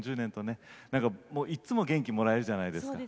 なんかいっつも元気もらえるじゃないですか。